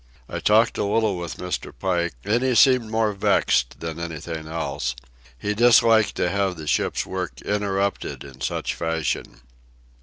I talked a little with Mr. Pike, and he seemed more vexed than anything else. He disliked to have the ship's work interrupted in such fashion.